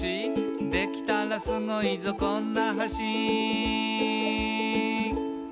「できたらスゴいぞこんな橋」